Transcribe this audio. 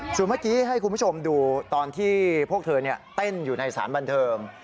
ส่วนเมื่อกี้ให้คุณผู้ชมดูตอนที่พวกเธอเต้นอยู่ในสารบันเทิง